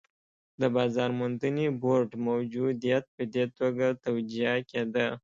د بازار موندنې بورډ موجودیت په دې توګه توجیه کېده.